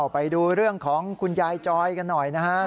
ไปดูเรื่องของคุณยายจอยกันหน่อยนะครับ